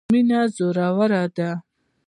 مینه زوروره ده.